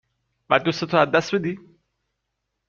و دوست تو از دست بدی ؟